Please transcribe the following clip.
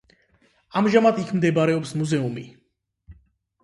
ამჟამად იქ მდებარეობს მუზეუმი.